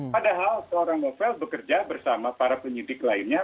padahal seorang novel bekerja bersama para penyidik lainnya